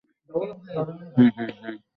সে আর নেই!